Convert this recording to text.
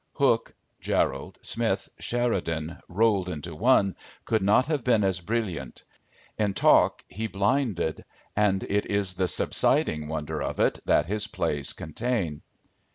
Hook, Jerrold, Smith, Sheridan, rolled into one, could not have been as brilliant. In talk he blinded and it is the subsiding wonder of it that his plays contain.